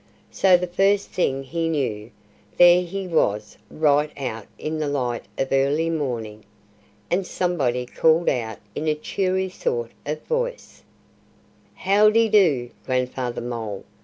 So the first thing he knew, there he was right out in the light of early morning! And somebody called out in a cheery sort of voice, "How dy do, Grandfather Mole!